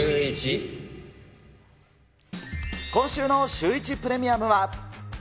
今週のシューイチプレミアムは。